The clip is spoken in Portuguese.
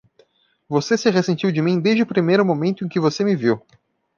Você se ressentiu de mim desde o primeiro momento em que você me viu!